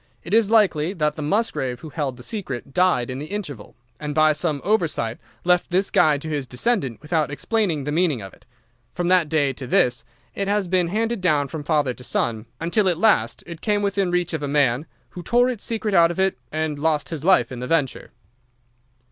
It is likely that the Musgrave who held the secret died in the interval, and by some oversight left this guide to his descendant without explaining the meaning of it. From that day to this it has been handed down from father to son, until at last it came within reach of a man who tore its secret out of it and lost his life in the venture.